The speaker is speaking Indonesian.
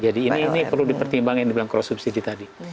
jadi ini perlu dipertimbangkan yang dibilang cross subsidi tadi